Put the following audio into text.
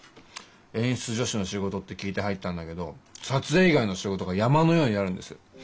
演出助手の仕事って聞いて入ったんだけど撮影以外の仕事が山のようにあるんです。